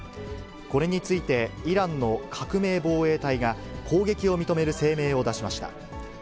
これについて、イランの革命防衛隊が、攻撃を認める声明を出しました。